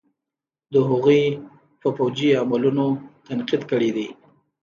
د هغوئ په فوجي عملونو تنقيد کړے دے.